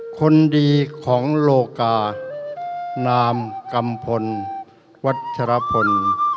คนดีของโลกานามกัมพลวัชรพล